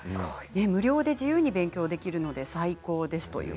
無料で自由に勉強できるので最高ですと。